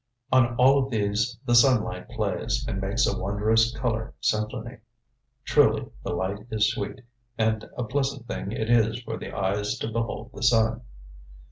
On all of these the sunlight plays and makes a wondrous color symphony. "Truly the light is sweet and a pleasant thing it is for the eyes to behold the sun."